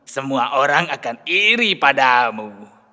semua orang akan iri padamu